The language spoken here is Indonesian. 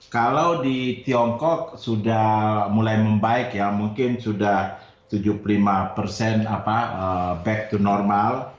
kalau di tiongkok sudah mulai membaik ya mungkin sudah tujuh puluh lima persen back to normal